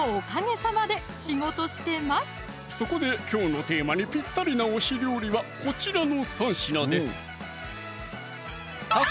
そこできょうのテーマにぴったりな推し料理はこちらの３品ですた